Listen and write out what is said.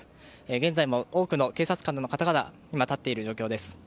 現在は多くの警察官が今、立っている状況です。